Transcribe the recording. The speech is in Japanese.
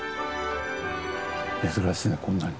珍しいねこんなに。